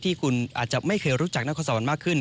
ที่คุณอาจจะไม่เคยรู้จักนครสวรรค์มากขึ้น